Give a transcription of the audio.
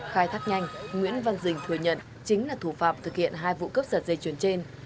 khai thác nhanh nguyễn văn dình thừa nhận chính là thủ phạm thực hiện hai vụ cướp giật dây chuyền trên